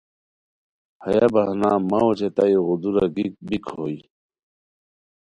ہیہ بہانا مہ اوچے تہ ایغو دُورہ گیک بیک بوئے